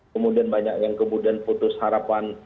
kemudian banyak yang kemudian putus harapan